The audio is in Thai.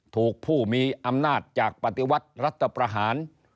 ถูกผู้มีอำนาจจากปฏิวัติรัฐประหาร